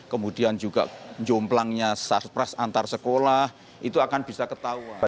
kemudian juga jomplangnya sastras antar sekolah itu akan bisa ketahuan